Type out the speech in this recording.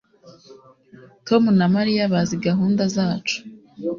Tom na Mariya bazi gahunda zacu